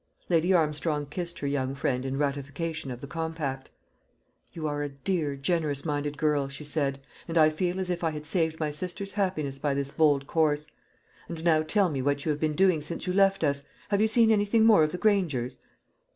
Lady Armstrong kissed her young friend in ratification of the compact. "You are a dear generous minded girl," she said, "and I feel as if I had saved my sister's happiness by this bold course. And now tell me what you have been doing since you left us. Have you seen anything more of the Grangers?"